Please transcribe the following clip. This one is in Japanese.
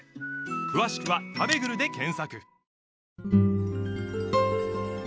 詳しくは「たべぐる」で検索